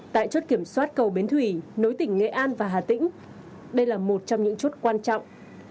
tại chốt kiểm soát cầu bến thủy nối tỉnh nghệ an và hà tĩnh đây là một trong những chốt quan trọng